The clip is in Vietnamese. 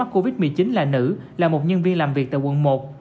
covid một mươi chín là nữ là một nhân viên làm việc tại quận một